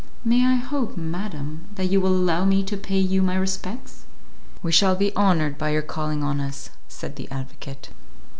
"May I hope, madam, that you will allow me to pay you my respects?" "We shall be honoured by your calling on us," said the advocate.